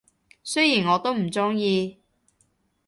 雖然我都唔鍾意